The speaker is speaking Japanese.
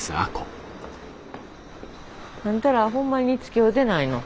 あんたらほんまにつきおうてないの？